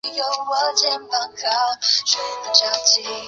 然后随定边左副将军成衮扎布追拿和托辉特部首领青衮咱卜。